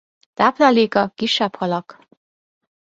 Tápláléka kisebb halak.